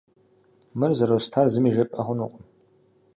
Мыр зэростар зыми жепӏэ хъунукъым.